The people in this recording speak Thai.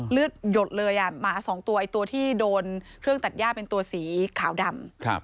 หยดเลยหมาสองตัวไอ้ตัวที่โดนเครื่องตัดย่าเป็นตัวสีขาวดำ